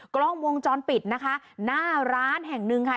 กล้องวงจรปิดนะคะหน้าร้านแห่งหนึ่งค่ะ